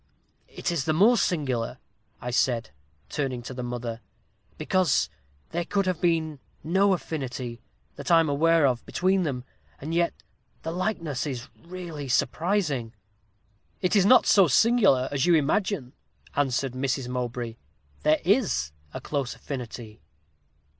'It is the more singular,' I said, turning to her mother, 'because there could have been no affinity, that I am aware of, between them, and yet the likeness is really surprising.' 'It is not so singular as you imagine,' answered Mrs. Mowbray; 'there is a close affinity.